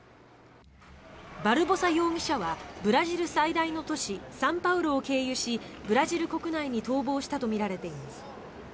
バルボサ容疑者はブラジル最大の都市サンパウロを経由しブラジル国内に逃亡したとみられています。